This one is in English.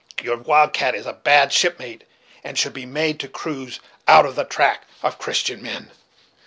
Your wild cat is a bad shipmate, and should be made to cruise out of the track of Christian men."